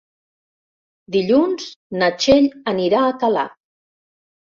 Dilluns na Txell anirà a Calaf.